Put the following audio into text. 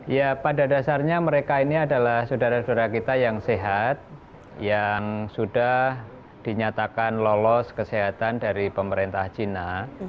ya pada dasarnya mereka ini adalah saudara saudara kita yang sehat yang sudah dinyatakan lolos kesehatan dari pemerintah cina